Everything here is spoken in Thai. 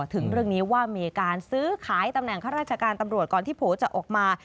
ถึงเรื่องนี้ว่ามีการซื้อขายตำแหน่งข้าราชการตำรวจก่อนที่โผล่จะออกมา